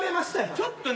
ちょっとね